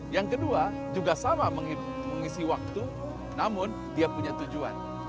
yang kedua juga sama mengisi waktu namun dia punya tujuan